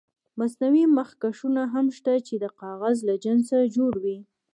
مصنوعي مخکشونه هم شته چې د کاغذ له جنسه جوړ وي.